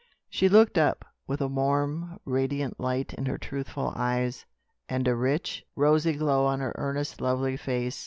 She looked up, with a warm, radiant light in her truthful eyes, and a rich, rosy glow on her earnest, lovely face.